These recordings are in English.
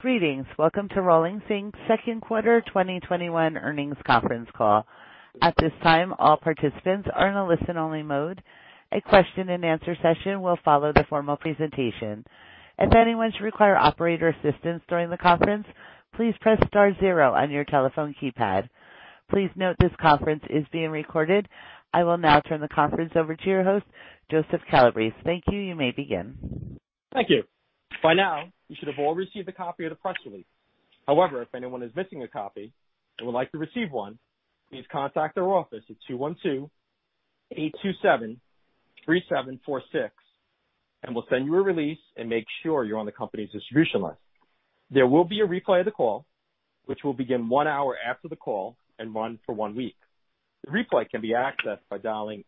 Greetings. Welcome to Rollins, Inc's second quarter 2021 earnings conference call. At this time, all participants are in a listen-only mode. A question-and-answer session will follow the formal presentation. If anyone should require operator assistance during the conference, please press star zero on your telephone keypad. Please note this conference is being recorded. I will now turn the conference over to your host, Joseph Calabrese. Thank you. You may begin. Thank you. By now, you should have all received a copy of the press release. However, if anyone is missing a copy and would like to receive one, please contact our office at 212-827-3746, and we'll send you a release and make sure you're on the company's distribution list. There will be a replay of the call, which will begin one hour after the call and run for one week. The replay can be accessed by dialing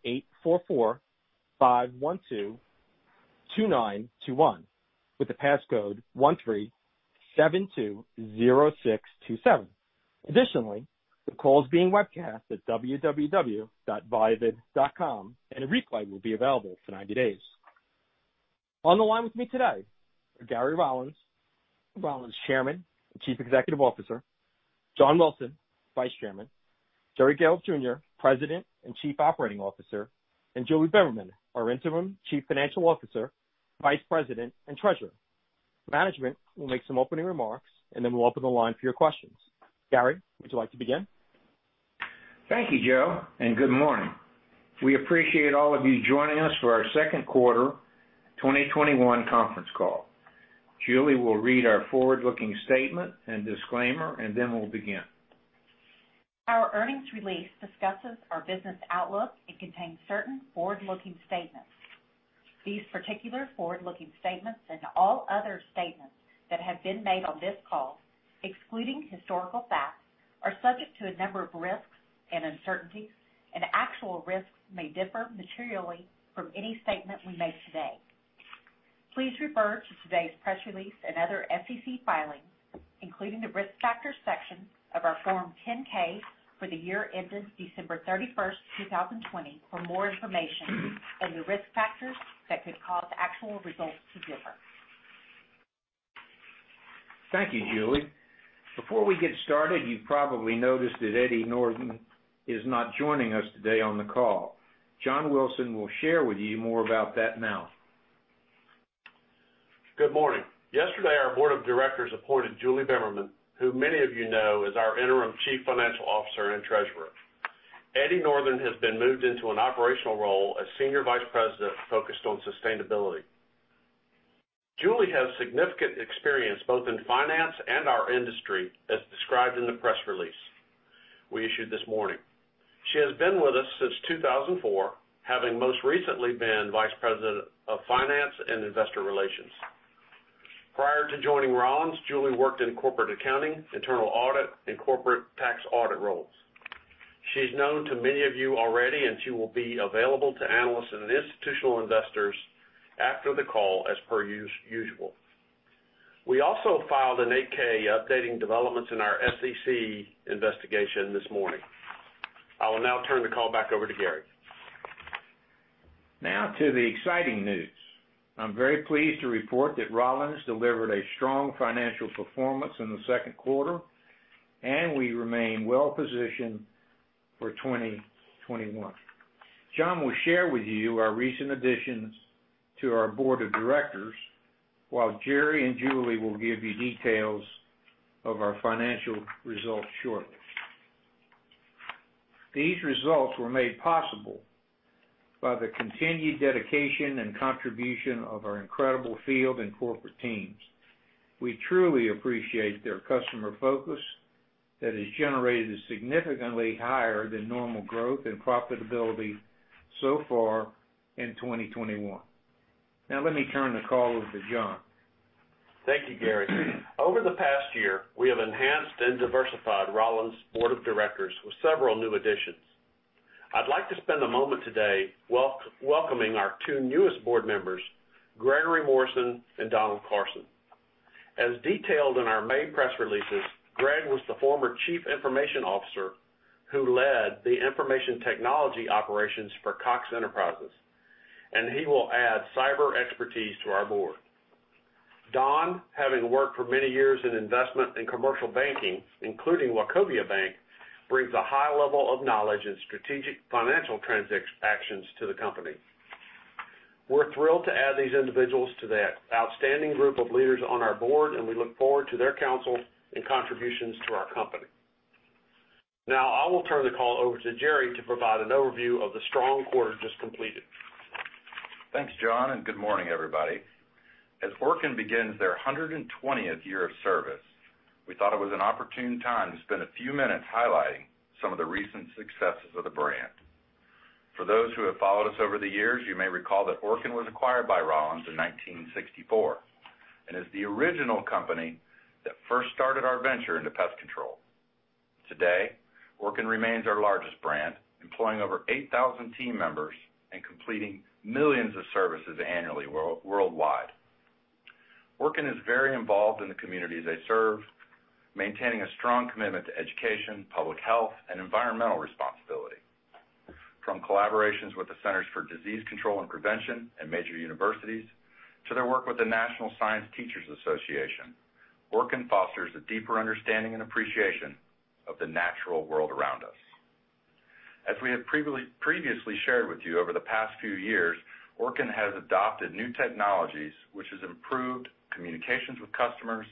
844-512-2921 with the passcode 13720627. Additionally, the call is being webcast at www.viavid.com, and a replay will be available for 90 days. On the line with me today are Gary Rollins Chairman and Chief Executive Officer, John Wilson, Vice Chairman, Jerry Gahlhoff Jr., President and Chief Operating Officer, and Julie Bimmerman, our interim Chief Financial Officer, Vice President, and Treasurer. Management will make some opening remarks, and then we'll open the line for your questions. Gary, would you like to begin? Thank you, Joe, and good morning. We appreciate all of you joining us for our second quarter 2021 conference call. Julie will read our forward-looking statement and disclaimer, and then we'll begin. Our earnings release discusses our business outlook and contains certain forward-looking statements. These particular forward-looking statements, and all other statements that have been made on this call, excluding historical facts, are subject to a number of risks and uncertainties, and actual risks may differ materially from any statement we make today. Please refer to today's press release and other SEC filings, including the Risk Factors section of our Form 10-K for the year ended December 31st, 2020, for more information on the risk factors that could cause actual results to differ. Thank you, Julie. Before we get started, you've probably noticed that Eddie Northen is not joining us today on the call. John Wilson will share with you more about that now. Good morning. Yesterday, our Board of Directors appointed Julie Bimmerman, who many of you know is our Interim Chief Financial Officer and Treasurer. Eddie Northen has been moved into an operational role as Senior Vice President focused on sustainability. Julie has significant experience both in finance and our industry, as described in the press release we issued this morning. She has been with us since 2004, having most recently been Vice President of Finance and Investor Relations. Prior to joining Rollins, Julie worked in corporate accounting, internal audit, and corporate tax audit roles. She's known to many of you already, and she will be available to analysts and institutional investors after the call as per usual. We also filed an 8-K updating developments in our SEC investigation this morning. I will now turn the call back over to Gary. Now to the exciting news. I'm very pleased to report that Rollins delivered a strong financial performance in the second quarter, and we remain well-positioned for 2021. John will share with you our recent additions to our board of directors while Jerry and Julie will give you details of our financial results shortly. These results were made possible by the continued dedication and contribution of our incredible field and corporate teams. We truly appreciate their customer focus that has generated a significantly higher than normal growth and profitability so far in 2021. Now let me turn the call over to John. Thank you, Gary. Over the past year, we have enhanced and diversified Rollins' board of directors with several new additions. I'd like to spend a moment today welcoming our two newest board members, Gregory Morrison and Donald Carson. As detailed in our main press releases, Greg was the former Chief Information Officer who led the information technology operations for Cox Enterprises, and he will add cyber expertise to our board. Don, having worked for many years in investment and commercial banking, including Wachovia Bank, brings a high level of knowledge in strategic financial transactions to the company. We're thrilled to add these individuals to that outstanding group of leaders on our board, and we look forward to their counsel and contributions to our company. Now, I will turn the call over to Jerry to provide an overview of the strong quarter just completed. Thanks, John, and good morning, everybody. As Orkin begins their 120th year of service, we thought it was an opportune time to spend a few minutes highlighting some of the recent successes of the brand. For those who have followed us over the years, you may recall that Orkin was acquired by Rollins in 1964 and is the original company that first started our venture into pest control. Today, Orkin remains our largest brand, employing over 8,000 team members and completing millions of services annually worldwide. Orkin is very involved in the communities they serve, maintaining a strong commitment to education, public health, and environmental responsibility. From collaborations with the Centers for Disease Control and Prevention and major universities, to their work with the National Science Teaching Association, Orkin fosters a deeper understanding and appreciation of the natural world around us. As we have previously shared with you over the past few years, Orkin has adopted new technologies, which has improved communications with customers,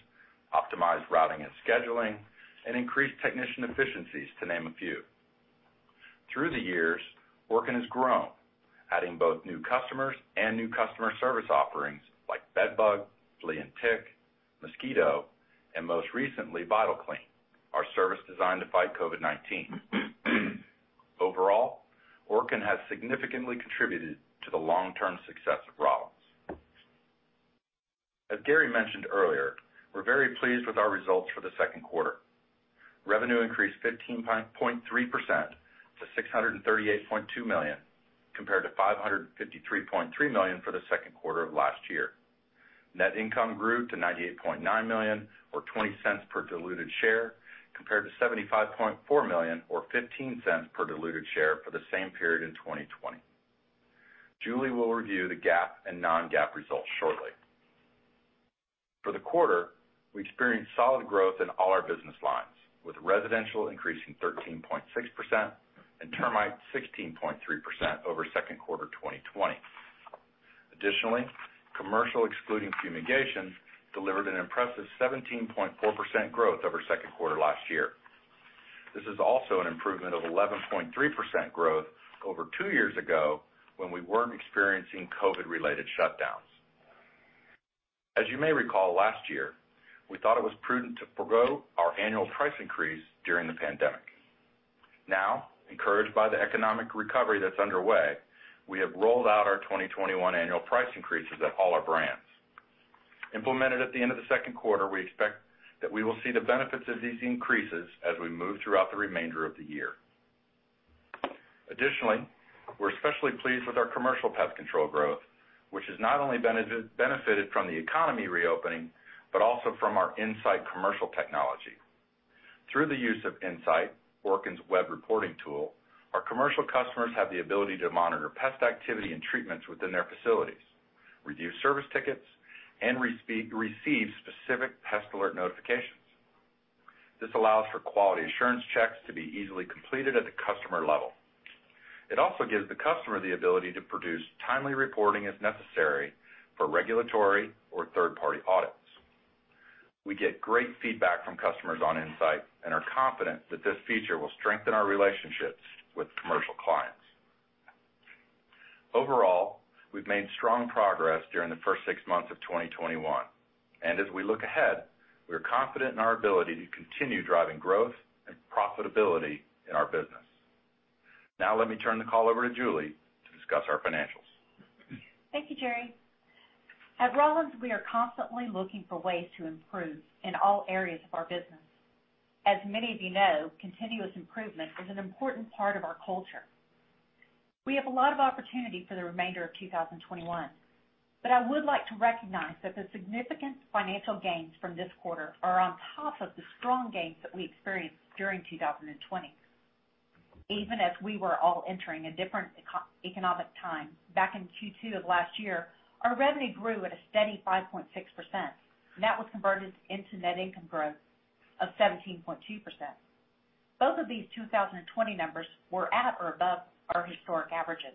optimized routing and scheduling, and increased technician efficiencies, to name a few. Through the years, Orkin has grown, adding both new customers and new customer service offerings like bed bug, flea and tick, mosquito, and most recently, Orkin VitalClean, our service designed to fight COVID-19. Overall, Orkin has significantly contributed to the long-term success of Rollins. As Gary mentioned earlier, we're very pleased with our results for the second quarter. Revenue increased 15.3% to $638.2 million, compared to $553.3 million for the second quarter of last year. Net income grew to $98.9 million or $0.20 per diluted share, compared to $75.4 million or $0.15 per diluted share for the same period in 2020. Julie will review the GAAP and non-GAAP results shortly. For the quarter, we experienced solid growth in all our business lines, with residential increasing 13.6% and termite 16.3% over second quarter 2020. Additionally, commercial, excluding fumigation, delivered an impressive 17.4% growth over second quarter last year. This is also an improvement of 11.3% growth over two years ago when we weren't experiencing COVID-related shutdowns. As you may recall last year, we thought it was prudent to forego our annual price increase during the pandemic. Now, encouraged by the economic recovery that's underway, we have rolled out our 2021 annual price increases at all our brands. Implemented at the end of the second quarter, we expect that we will see the benefits of these increases as we move throughout the remainder of the year. Additionally, we're especially pleased with our commercial pest control growth, which has not only benefited from the economy reopening, but also from our Insight commercial technology. Through the use of Insight, Orkin's web reporting tool, our commercial customers have the ability to monitor pest activity and treatments within their facilities, review service tickets, and receive specific pest alert notifications. This allows for quality assurance checks to be easily completed at the customer level. It also gives the customer the ability to produce timely reporting as necessary for regulatory or third-party audits. We get great feedback from customers on Insight and are confident that this feature will strengthen our relationships with commercial clients. Overall, we've made strong progress during the first six months of 2021, and as we look ahead, we're confident in our ability to continue driving growth and profitability in our business. Now let me turn the call over to Julie to discuss our financials. Thank you, Jerry. At Rollins, we are constantly looking for ways to improve in all areas of our business. As many of you know, continuous improvement is an important part of our culture. We have a lot of opportunities for the remainder of 2021. I would like to recognize that the significant financial gains from this quarter are on top of the strong gains that we experienced during 2020. Even as we were all entering a different economic time back in Q2 of last year, our revenue grew at a steady 5.6%. That was converted into net income growth of 17.2%. Both of these 2020 numbers were at or above our historic averages.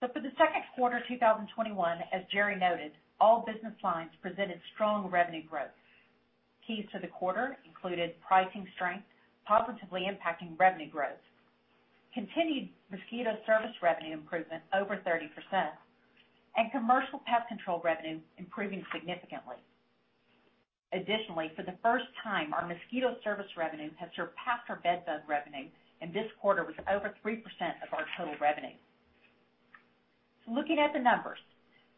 For the second quarter 2021, as Jerry noted, all business lines presented strong revenue growth. Keys to the quarter included pricing strength positively impacting revenue growth, continued mosquito service revenue improvement over 30%, and commercial pest control revenue improving significantly. Additionally, for the first time, our mosquito service revenue has surpassed our bed bug revenue, and this quarter was over 3% of our total revenue. Looking at the numbers,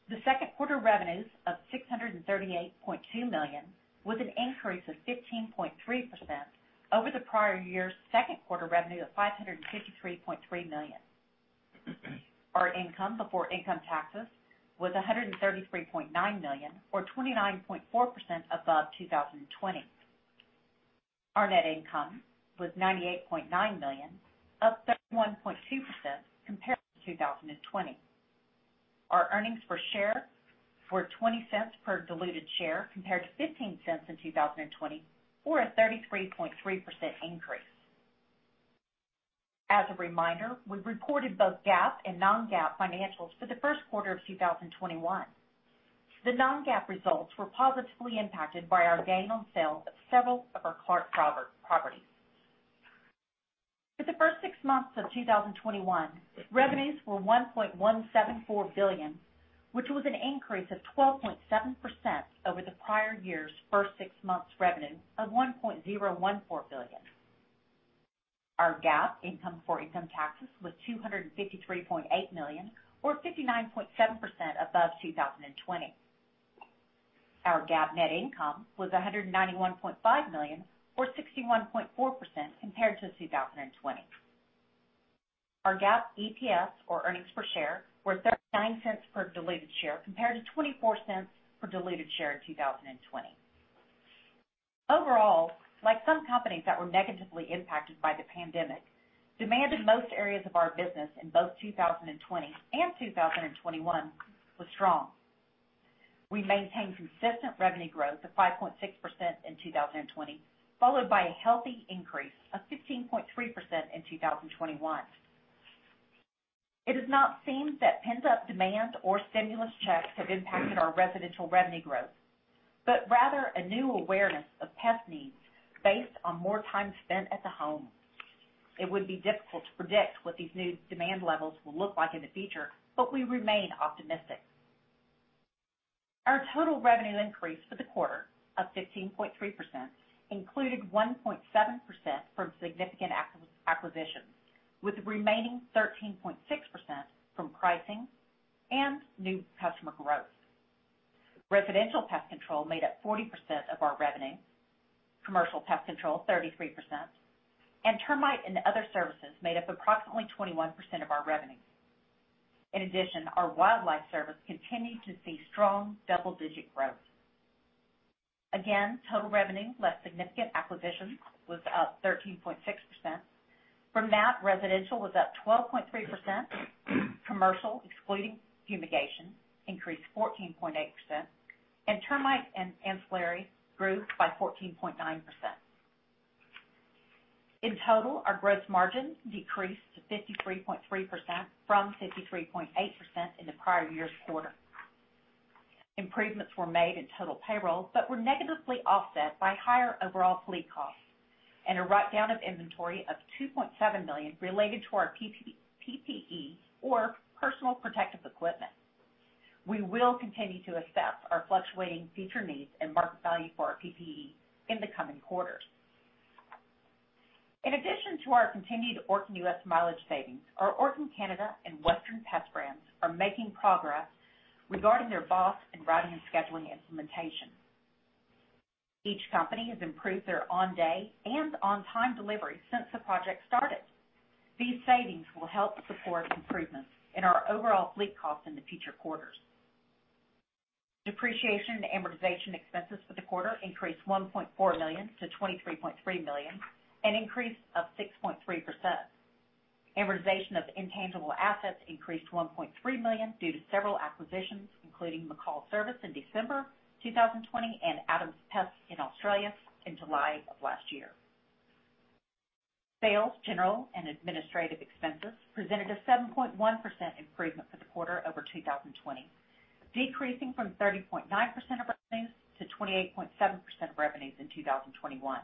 the second quarter revenues of $638.2 million was an increase of 15.3% over the prior year's second quarter revenue of $553.3 million. Our income before income taxes was $133.9 million, or 29.4% above 2020. Our net income was $98.9 million, up 31.2% compared to 2020. Our earnings per share were $0.20 per diluted share, compared to $0.15 in 2020, or a 33.3% increase. As a reminder, we've reported both GAAP and non-GAAP financials for the first quarter of 2021. The non-GAAP results were positively impacted by our gain on sale of several of our Clark properties. For the first six months of 2021, revenues were $1.174 billion, which was an increase of 12.7% over the prior year's first six months revenue of $1.014 billion. Our GAAP income for income taxes was $253.8 million or 59.7% above 2020. Our GAAP net income was $191.5 million or 61.4%, compared to 2020. Our GAAP EPS or earnings per share were $0.39 per diluted share compared to $0.24 per diluted share in 2020. Overall, like some companies that were negatively impacted by the pandemic, demand in most areas of our business in both 2020 and 2021 was strong. We maintained consistent revenue growth of 5.6% in 2020, followed by a healthy increase of 15.3% in 2021. It has not seemed that pent-up demand or stimulus checks have impacted our residential revenue growth, but rather a new awareness of pest needs based on more time spent at the home. It would be difficult to predict what these new demand levels will look like in the future, but we remain optimistic. Our total revenue increase for the quarter of 15.3% included 1.7% from significant acquisitions, with the remaining 13.6% from pricing and new customer growth. Residential pest control made up 40% of our revenue, commercial pest control 33%, and termite and other services made up approximately 21% of our revenue. In addition, our wildlife service continued to see strong double-digit growth. Again, total revenue, less significant acquisitions, was up 13.6%. From that, residential was up 12.3%, commercial, excluding fumigation, increased 14.8%, and termite and ancillary grew by 14.9%. In total, our gross margin decreased to 53.3% from 53.8% in the prior year's quarter. Improvements were made in total payroll but were negatively offset by higher overall fleet costs and a write-down of inventory of $2.7 million related to our PPE, or personal protective equipment. We will continue to assess our fluctuating future needs and market value for our PPE in the coming quarters. In addition to our continued Orkin U.S. mileage savings, our Orkin Canada and Western Pest brands are making progress regarding their BOSS and routing and scheduling implementation. Each company has improved their on-day and on-time delivery since the project started. These savings will help support improvements in our overall fleet cost in the future quarters. Depreciation and amortization expenses for the quarter increased $1.4 million to $23.3 million, an increase of 6.3%. Amortization of intangible assets increased $1.3 million due to several acquisitions, including McCall Service in December 2020 and Adams Pest in Australia in July of last year. Sales, general, and administrative expenses presented a 7.1% improvement for the quarter over 2020, decreasing from 30.9% of revenues to 28.7% of revenues in 2021.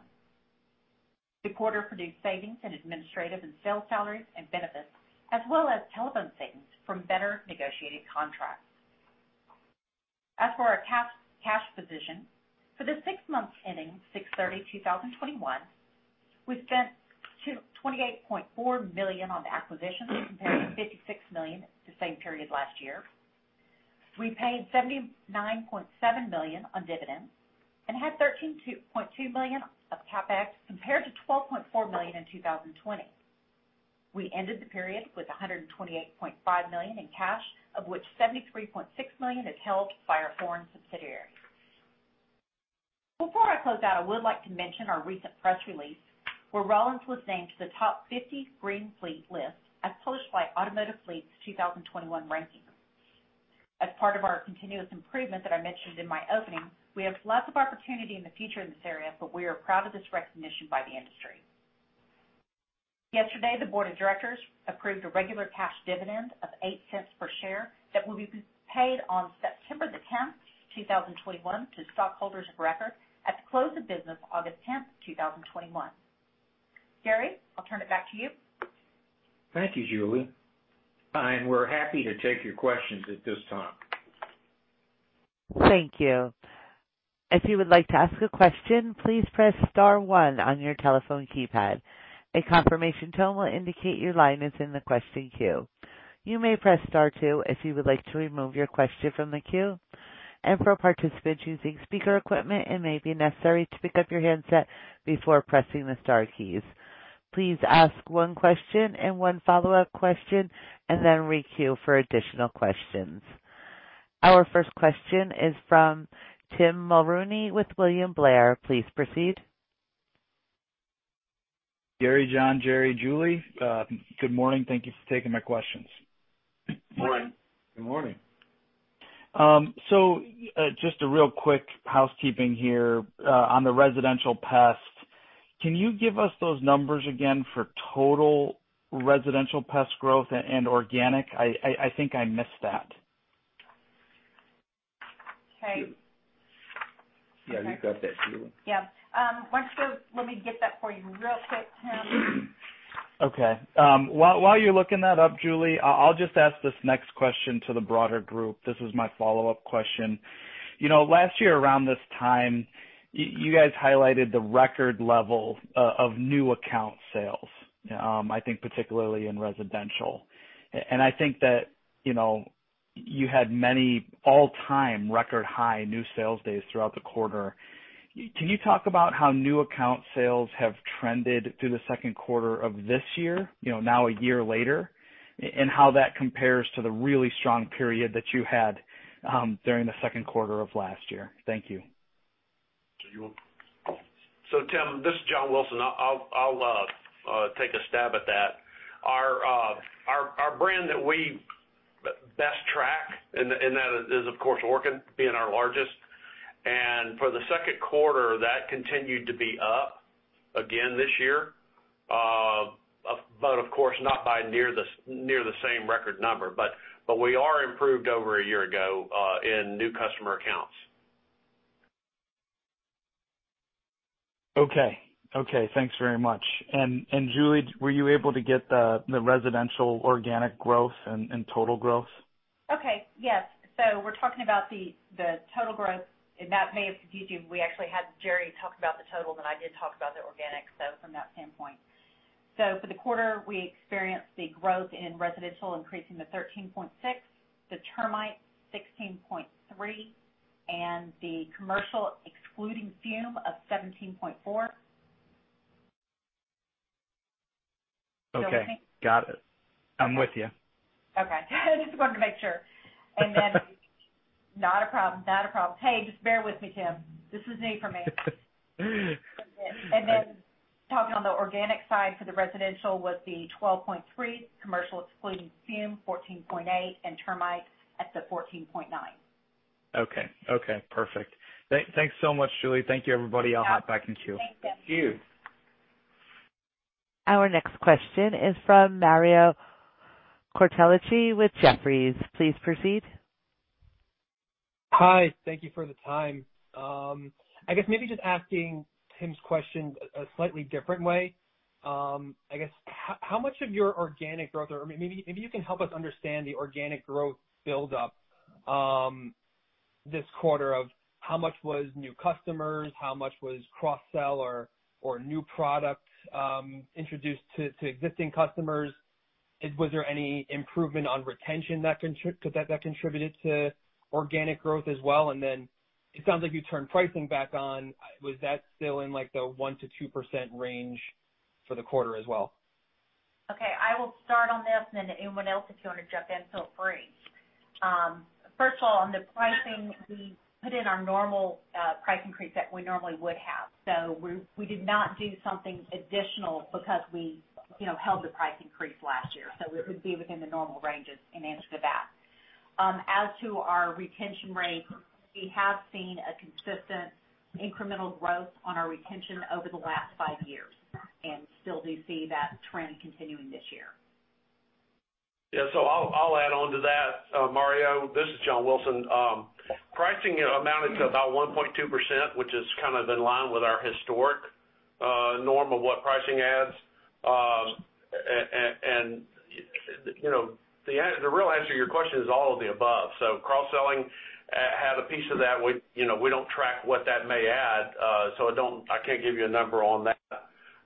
The quarter produced savings in administrative and sales salaries and benefits, as well as telephone savings from better-negotiated contracts. For the six months ending 6/30/2021, we spent $28.4 million on acquisitions compared to $56 million the same period last year. We paid $79.7 million on dividends and had $13.2 million of CapEx compared to $12.4 million in 2020. We ended the period with $128.5 million in cash, of which $73.6 million is held by our foreign subsidiaries. Before I close out, I would like to mention our recent press release, where Rollins was named to the top 50 Green Fleet list, as published by Automotive Fleet's 2021 rankings. As part of our continuous improvement that I mentioned in my opening, we have lots of opportunity in the future in this area, but we are proud of this recognition by the industry. Yesterday, the board of directors approved a regular cash dividend of $0.08 per share that will be paid on September 10th, 2021, to stockholders of record at the close of business August 10th, 2021. Gary, I'll turn it back to you. Thank you, Julie. We're happy to take your questions at this time. Thank you. If you would like to ask a question, please press star one on your telephone keypad. A confirmation tone will indicate your line is in the question queue. You may press star two if you would like to remove your question from the queue. For participants using speaker equipment, it may be necessary to pick up your handset before pressing the star keys. Please ask one question and one follow-up question, and then re-queue for additional questions. Our first question is from Tim Mulrooney with William Blair. Please proceed. Gary, John, Jerry, Julie, good morning. Thank you for taking my questions. Morning. Good morning. Just a real quick housekeeping here. On the residential pest, can you give us those numbers again for total residential pest growth and organic? I think I missed that. Okay. Yeah, you got that, Julie? Yeah. Why don't you let me get that for you real quick, Tim? Okay. While you're looking that up, Julie, I'll just ask this next question to the broader group. This is my follow-up question. Last year around this time, you guys highlighted the record level of new account sales, I think particularly in residential. I think that you had many all-time record high new sales days throughout the quarter. Can you talk about how new account sales have trended through the second quarter of this year, now a year later, and how that compares to the really strong period that you had during the second quarter of last year? Thank you. Tim, this is John Wilson. I'll take a stab at that. Our brand that we best track, that is of course, Orkin, being our largest. For the second quarter, that continued to be up again this year. Of course, not by near the same record number. We are improved over a year ago, in new customer accounts. Okay. Thanks very much. Julie, were you able to get the residential organic growth and total growth? Okay, yes. We're talking about the total growth, and that may have confused you. We actually had Jerry talk about the totals, and I did talk about the organic, so from that standpoint. For the quarter, we experienced the growth in residential increasing to 13.6%, the termite 16.3%, and the commercial, excluding fumigation, of 17.4%. Okay. Still with me? Got it. I'm with you. Okay. Just wanted to make sure. Not a problem. Hey, just bear with me, Tim. This is new for me. Talking on the organic side for the residential was the 12.3%, commercial excluding fume, 14.8%, and termites at the 14.9%. Okay. Perfect. Thanks so much, Julie. Thank you, everybody. I'll hop back in queue. Thank you. Thank you. Our next question is from Mario Cortellacci with Jefferies. Please proceed. Hi. Thank you for the time. I guess maybe just asking Tim's question a slightly different way. I guess, how much of your organic growth, or maybe you can help us understand the organic growth buildup this quarter, of how much was new customers, how much was cross-sell or new product introduced to existing customers? Was there any improvement on retention that contributed to organic growth as well? Then it sounds like you turned pricing back on. Was that still in the 1%-2% range for the quarter as well? I will start on this and then anyone else, if you want to jump in, feel free. First of all, on the pricing, we put in our normal price increase that we normally would have. We did not do something additional because we held the price increase last year, so it would be within the normal ranges in answer to that. As to our retention rate, we have seen a consistent incremental growth on our retention over the last five years and still do see that trend continuing this year. Yeah. I'll add on to that, Mario. This is John Wilson. Pricing amounted to about 1.2%, which is kind of in line with our historic norm of what pricing adds. The real answer to your question is all of the above. Cross-selling had a piece of that. We don't track what that may add, so I can't give you a number on that.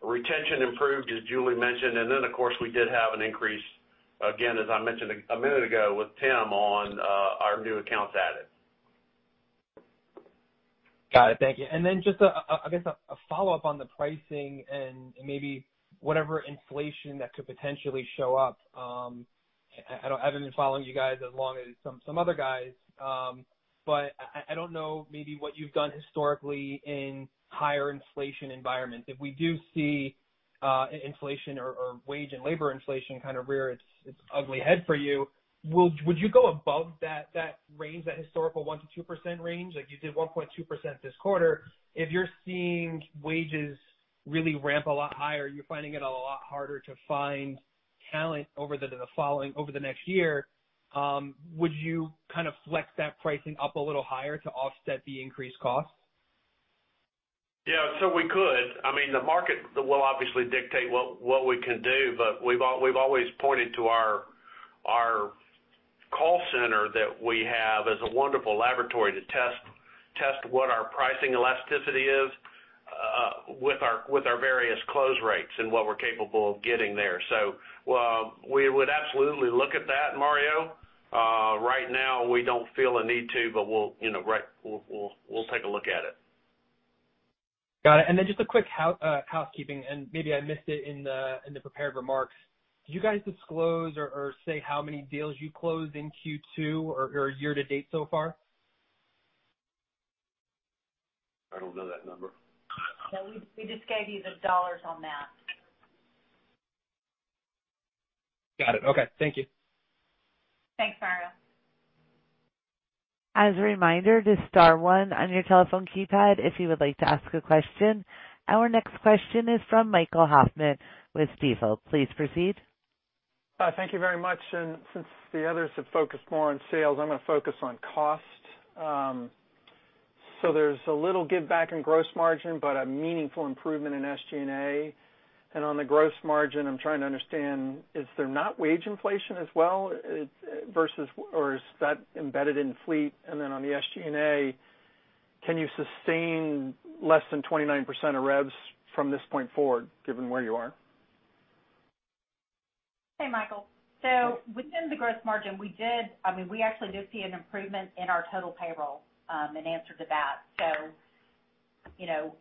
Retention improved, as Julie mentioned, then, of course, we did have an increase, again, as I mentioned one minute ago with Tim on our new accounts added. Got it. Thank you. Then just, I guess, a follow-up on the pricing and maybe whatever inflation that could potentially show up. I haven't been following you guys as long as some other guys, I don't know, maybe what you've done historically in higher inflation environments. If we do see inflation or wage and labor inflation kind of rear its ugly head for you, would you go above that range, that historical 1%-2% range? Like you did 1.2% this quarter. If you're seeing wages really ramp a lot higher, you're finding it a lot harder to find talent over the next year, would you kind of flex that pricing up a little higher to offset the increased cost? We could. The market will obviously dictate what we can do, but we've always pointed to our call center that we have as a wonderful laboratory to test what our pricing elasticity is, with our various close rates and what we're capable of getting there. We would absolutely look at that, Mario. Right now, we don't feel a need to, but we'll take a look at it. Got it. Just a quick housekeeping, and maybe I missed it in the prepared remarks. Do you guys disclose or say how many deals you closed in Q2 or year-to-date so far? I don't know that number. No, we just gave you the dollars on that. Got it. Okay. Thank you. Thanks, Mario. As a reminder to star one on your telephone keypad if you would like to ask a question. Our next question is from Michael Hoffman with Stifel. Please proceed. Thank you very much. Since the others have focused more on sales, I'm going to focus on cost. There's a little giveback in gross margin, but a meaningful improvement in SG&A. On the gross margin, I'm trying to understand, is there not wage inflation as well, versus or is that embedded in fleet? On the SG&A, can you sustain less than 29% of revs from this point forward given where you are? Hey, Michael. Within the gross margin, we actually do see an improvement in our total payroll, in answer to that. You know,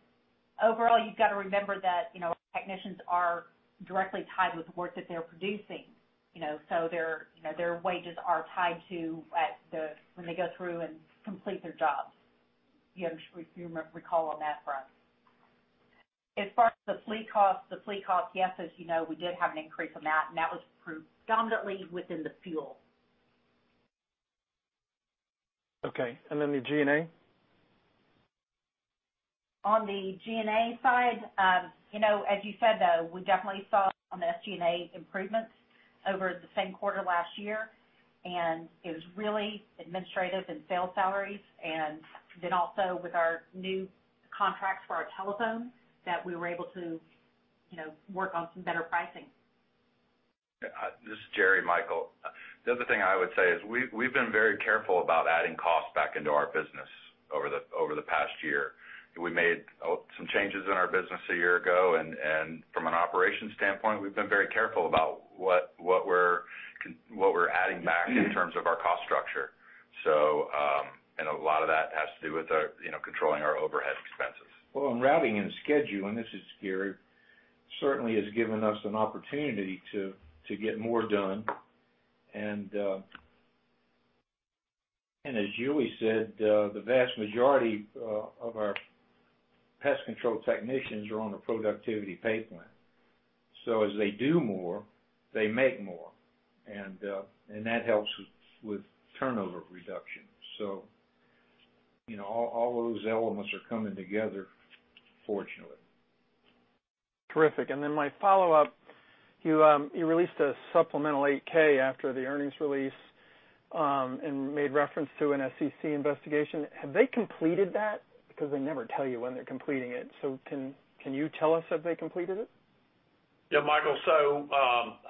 overall, you've got to remember that technicians are directly tied with the work that they're producing. Their wages are tied to when they go through and complete their jobs. You recall on that front. As far as the fleet costs, yes, as you know, we did have an increase on that, and that was predominantly within the fuel. Okay, the G&A? On the G&A side, as you said, though, we definitely saw on the SG&A improvements over the same quarter last year. It was really administrative and sales salaries, and then also with our new contracts for our telephone that we were able to work on some better pricing. This is Jerry, Michael. The other thing I would say is we've been very careful about adding costs back into our business over the past year. We made some changes in our business a year ago. From an operations standpoint, we've been very careful about what we're adding back in terms of our cost structure. A lot of that has to do with controlling our overhead expenses. Well, routing and scheduling, this is Gary, certainly has given us an opportunity to get more done. As Julie said, the vast majority of our pest control technicians are on a productivity pay plan. As they do more, they make more, and that helps with turnover reduction. All those elements are coming together, fortunately. Terrific. My follow-up, you released a supplemental 8-K after the earnings release, made reference to an SEC investigation. Have they completed that? They never tell you when they're completing it. Can you tell us if they completed it? Yeah, Michael.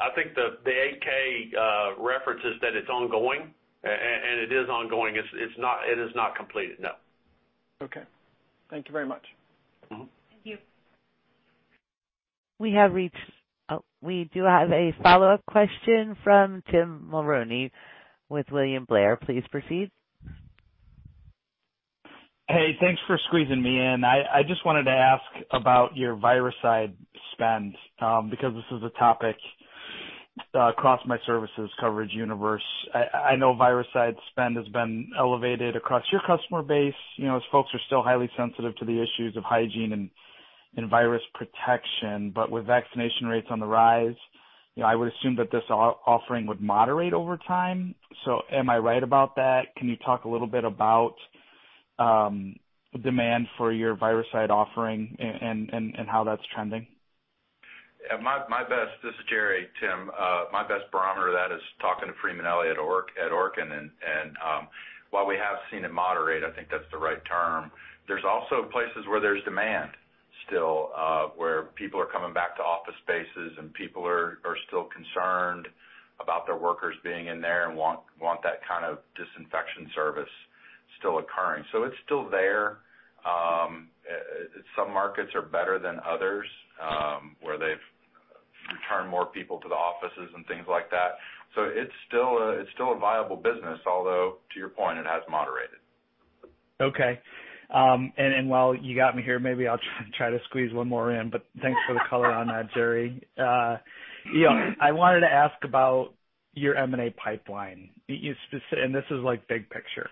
I think the 8-K references that it's ongoing, and it is ongoing. It is not completed, no. Okay. Thank you very much. Thank you. We do have a follow-up question from Tim Mulrooney with William Blair. Please proceed. Hey, thanks for squeezing me in. I just wanted to ask about your virucide spend, because this is a topic across my services coverage universe. I know virucide spend has been elevated across your customer base, as folks are still highly sensitive to the issues of hygiene and virus protection. With vaccination rates on the rise, I would assume that this offering would moderate over time. Am I right about that? Can you talk a little bit about demand for your virucide offering and how that's trending? This is Jerry. Tim, my best barometer of that is talking to Freeman Elliott at Orkin. While we have seen it moderate, I think that's the right term, there's also places where there's demand still, where people are coming back to office spaces, and people are still concerned about their workers being in there and want that kind of disinfection service still occurring. It's still there. Some markets are better than others, where they've returned more people to the offices and things like that. It's still a viable business, although, to your point, it has moderated. Okay. While you got me here, maybe I'll try to squeeze one more in. Thanks for the color on that, Jerry. I wanted to ask about your M&A pipeline. This is big picture.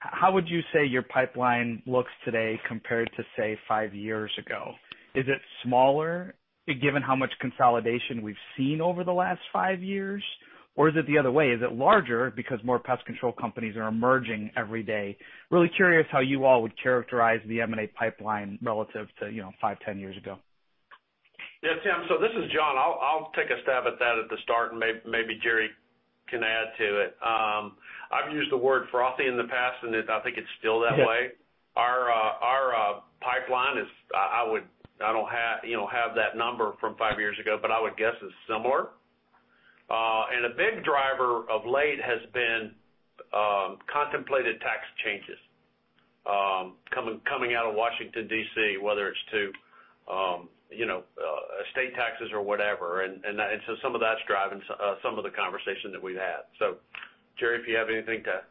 How would you say your pipeline looks today compared to, say, five years ago? Is it smaller given how much consolidation we've seen over the last five years? Is it the other way? Is it larger because more pest control companies are emerging every day? Really curious how you all would characterize the M&A pipeline relative to five, 10 years ago. Yeah, Tim, this is John. I'll take a stab at that at the start, and maybe Jerry can add to it. I've used the word frothy in the past, and I think it's still that way. Yeah. Our pipeline is, I don't have that number from five years ago, but I would guess it's similar. A big driver of late has been contemplated tax changes coming out of Washington, D.C., whether it's to estate taxes or whatever. Some of that's driving some of the conversation that we've had. Jerry, if you have anything to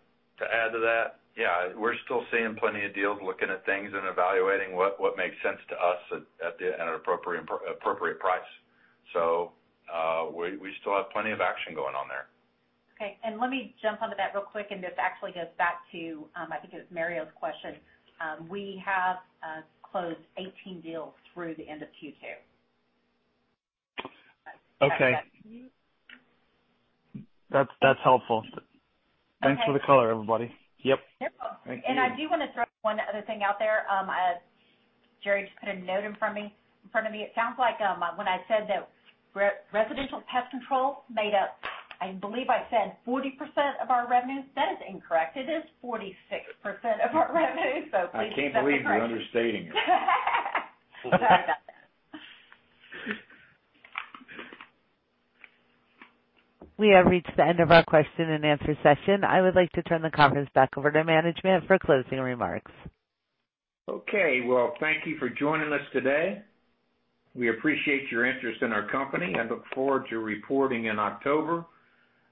add to that? Yeah, we're still seeing plenty of deals, looking at things, and evaluating what makes sense to us at an appropriate price. We still have plenty of action going on there. Okay. Let me jump onto that real quick, and this actually goes back to, I think it was Mario's question. We have closed 18 deals through the end of Q2. Okay. That's helpful. Okay. Thanks for the color, everybody. Yep. Yep. Thank you. I do want to throw one other thing out there. Jerry just put a note in front of me. It sounds like when I said that residential pest control made up, I believe I said 40% of our revenue. That is incorrect. It is 46% of our revenue. Please get that right. I can't believe you're understating it. Sorry about that. We have reached the end of our question-and-answer session. I would like to turn the conference back over to management for closing remarks. Well, thank you for joining us today. We appreciate your interest in our company and look forward to reporting in October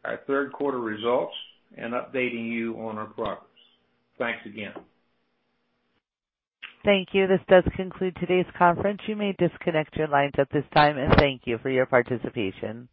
our third quarter results and updating you on our progress. Thanks again. Thank you. This does conclude today's conference. You may disconnect your lines at this time, and thank you for your participation.